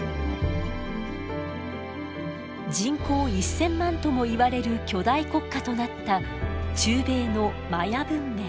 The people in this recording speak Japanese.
人口１，０００万ともいわれる巨大国家となった中米のマヤ文明。